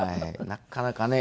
なかなかね。